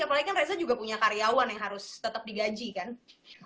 apalagi reza juga punya karyawan yang harus melakukan hal juga kaikannya kanhdthat